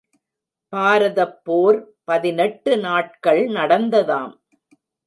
பாரதப் போர் பதினெட்டு நாட்கள் நடந்ததாம்.